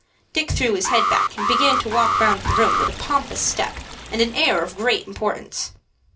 Dick threw his head back, and began to walk round the room with a pompous step and an air of great importance.